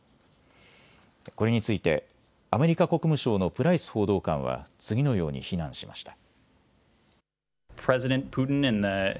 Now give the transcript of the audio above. これについてアメリカ国務省のプライス報道官は次のように非難しました。